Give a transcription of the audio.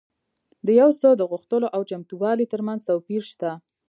د یو څه د غوښتلو او چمتووالي ترمنځ توپیر شته